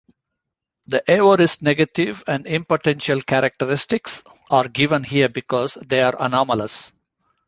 The aorist negative and impotential characteristics are given here because they are anomalous.